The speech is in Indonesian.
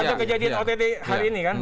untuk kejadian ott hari ini kan